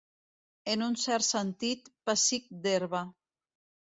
En un cert sentit, pessic d'herba.